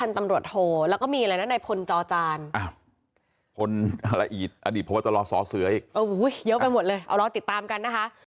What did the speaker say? สารวัฐีซัวร์ฯ์ยดพันธุ์ตำรวจโฮ